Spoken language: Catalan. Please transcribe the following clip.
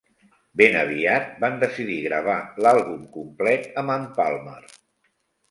Ben aviat, van decidir gravar l'àlbum complet amb en Palmer.